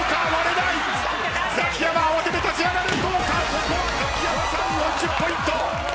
ここはザキヤマさん４０ポイント。